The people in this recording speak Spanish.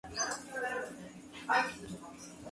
Deben llevar el prefijo piro- o di-.